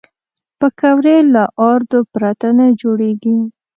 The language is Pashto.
پکورې له آردو پرته نه جوړېږي